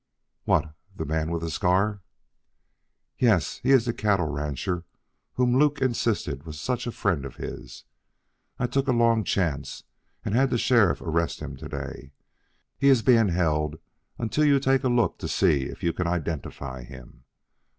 "What, the man with the scar?" "Yes. He is the cattle rancher whom Luke insisted was such a friend of his. I took a long chance and had the sheriff arrest him to day. He is being held until you take a look to see if you can identify him.